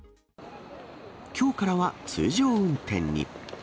きょうからは通常運転に。